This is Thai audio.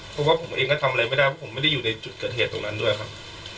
เพราะว่าผมเองก็ทำอะไรไม่ได้เพราะผมไม่ได้อยู่ในจุดเกิดเหตุตรงนั้นด้วยครับ